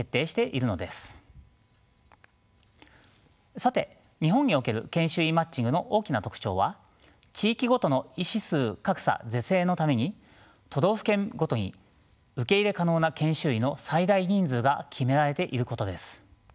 さて日本における研修医マッチングの大きな特徴は地域ごとの医師数格差是正のために都道府県ごとに受け入れ可能な研修医の最大人数が決められていることです。